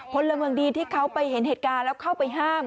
พลเมืองดีที่เขาไปเห็นเหตุการณ์แล้วเข้าไปห้าม